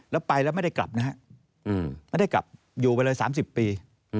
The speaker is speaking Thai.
แล้วไปแล้วไม่ได้กลับนะฮะไม่ได้กลับอยู่ไปเลย๓๐ปี